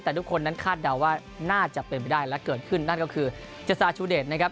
แต่ทุกคนนั้นคาดเดาว่าน่าจะเป็นไปได้และเกิดขึ้นนั่นก็คือเจษาชูเดชนะครับ